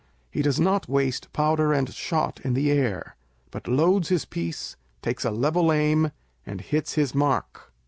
He does not waste powder and shot in the ail*, but loads his piece, takes a level aim, and hits his mark.